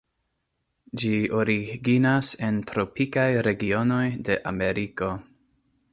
Ĝi originas en tropikaj regionoj de Ameriko.